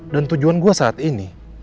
dan tujuan gue saat ini